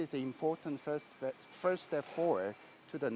ini adalah langkah pertama yang penting